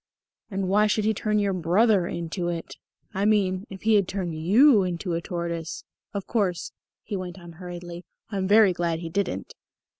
"And why should he turn your brother into it? I mean, if he had turned you into a tortoise Of course," he went on hurriedly, "I'm very glad he didn't."